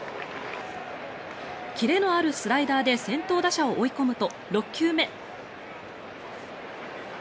キレのあるスライダーで先頭打者を追い込むと６球目。